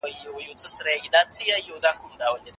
الله تعالی د انسانانو د هدايت لپاره کتابونه راليږلي دي.